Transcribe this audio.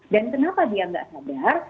dan kenapa dia nggak sadar